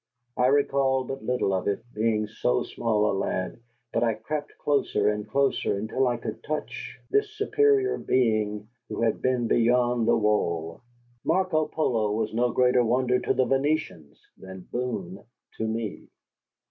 I recall but little of it, being so small a lad, but I crept closer and closer until I could touch this superior being who had been beyond the Wall. Marco Polo was no greater wonder to the Venetians than Boone to me.